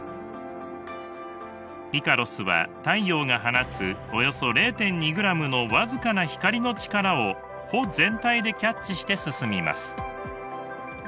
イカロスは太陽が放つおよそ０．２ｇの僅かな光の力を帆全体でキャッチして進みます。